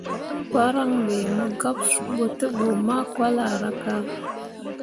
Paran be, mo gab suu bo tebǝ makolahraka.